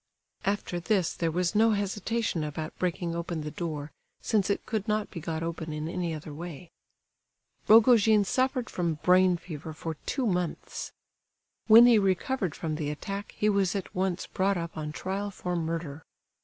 After this there was no hesitation about breaking open the door, since it could not be got open in any other way. Rogojin suffered from brain fever for two months. When he recovered from the attack he was at once brought up on trial for murder.